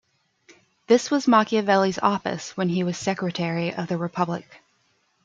This was Machiavelli's office when he was Secretary of the Republic.